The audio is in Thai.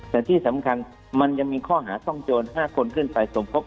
แต่ที่สำคัญมันยังมีข้อหาต้องโจร๕คนขึ้นไปสมทบ